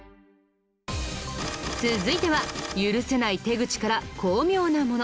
続いては許せない手口から巧妙なもの